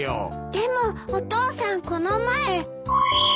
でもお父さんこの前。